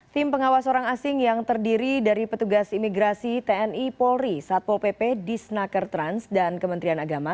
tim pengawas orang asing yang terdiri dari petugas imigrasi tni polri satpol pp disnaker trans dan kementerian agama